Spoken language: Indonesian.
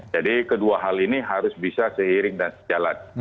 jadi kedua hal ini harus bisa seiring dan sejalan